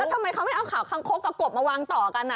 แล้วทำไมเขาไม่เอาข่าวคางโคศก็กบมาวางต่อกัน